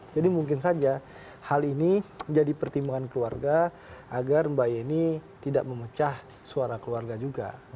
jadi mungkin saja hal ini jadi pertimbangan keluarga agar mbak yeni tidak memecah suara keluarga juga